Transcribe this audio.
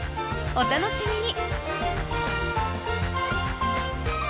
お楽しみに！